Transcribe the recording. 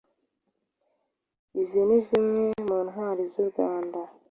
Izi ni zimwe mu Ntwari z'u Rwanda